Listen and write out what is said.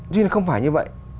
nhưng không phải như vậy